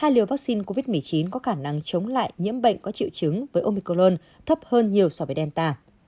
hai liều vaccine covid một mươi chín có khả năng chống lại nhiễm bệnh có triệu chứng với omiclon thấp hơn nhiều so với delta